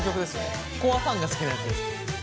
コアファンが好きなやつです。